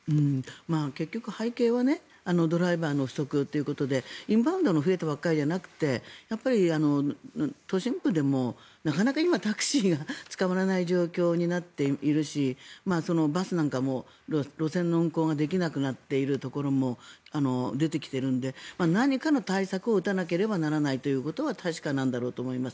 結局、背景はドライバーの不足ということでインバウンドも増えてばかりではなくて都心部でもなかなか今タクシーが捕まらない状況になっているしバスなんかも路線の運行ができなくなっているところも出てきているので、何かの対策を打たなければならないことは確かなんだろうと思います。